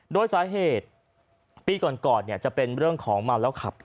โดยสาเหตุปีก่อนจะเป็นเรื่องของเมาแล้วขับ